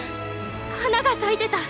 花が咲いてた！